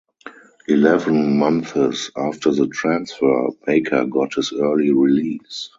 Eleven months after the transfer, Baker got his early release.